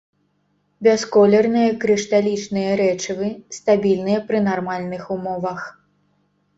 Бясколерныя крышталічныя рэчывы, стабільныя пры нармальных умовах.